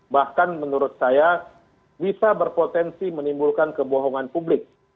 bahkan menurut saya bisa berpotensi menimbulkan kebohongan publik